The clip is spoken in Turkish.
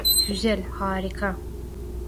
Güzel, harika.